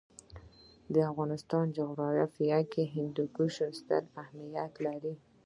د افغانستان جغرافیه کې هندوکش ستر اهمیت لري.